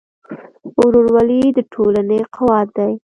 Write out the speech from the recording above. ورورولي د ټولنې قوت دی.